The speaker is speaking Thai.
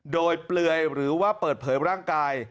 โดยเปลือยหรือว่าเปิดเผยร่างกาย